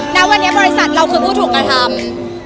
ณวันนี้บริษัทเราคือผู้ถูกกระทำ